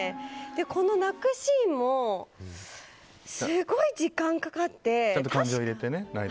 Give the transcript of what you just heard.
この泣くシーンもすごい時間がかかって。